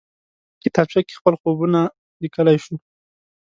کتابچه کې خپل خوبونه لیکلی شو